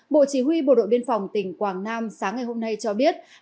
bộ chỉ huy bộ đội biên phòng tỉnh quảng nam sáng ngày hôm nay cho biết